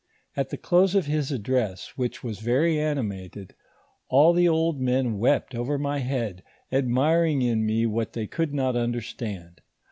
At the close of his address, which was very animated, all the old men wept over my head, admiring in me what they could not understand.